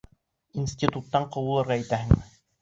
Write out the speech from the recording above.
Институттан ҡыуылырға итәһеңме?